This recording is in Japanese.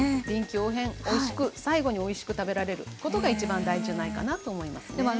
臨機応変おいしく最後においしく食べられることが一番大事じゃないかなと思いますね。